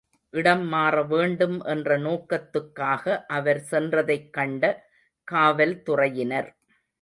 இடம் மாறவேண்டும் என்ற நோக்கத்துக்காக அவர் சென்றதைக் கண்ட காவல்துறையினர்.